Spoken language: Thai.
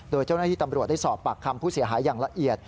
โดยเจ้าหน้าที่ตำรวจได้สอบปากคำผู้เสียหายอย่างละเอียด